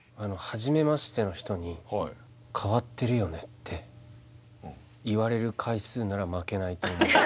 はじめましての人に「変わってるよね」って言われる回数なら負けないと思う。